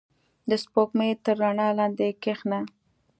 • د سپوږمۍ تر رڼا لاندې کښېنه.